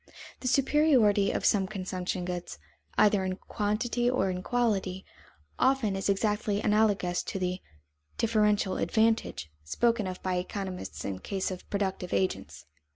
The superiority of some consumption goods, either in quantity or quality, often is exactly analogous to the "differential advantage" spoken of by economists in the case of productive agents.